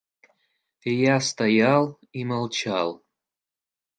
И я стоял и молчал.